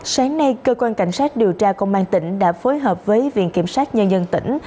sáng nay cơ quan cảnh sát điều tra công an tỉnh đã phối hợp với viện kiểm sát nhân dân tỉnh